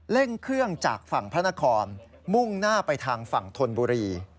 เร่งเครื่องจากฝั่งพระนครมุ่งหน้าไปทางฝั่งธนบุรี